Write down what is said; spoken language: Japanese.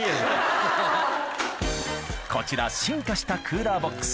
こちら進化したクーラーボックス